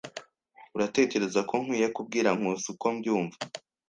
Uratekereza ko nkwiye kubwira Nkusi uko mbyumva?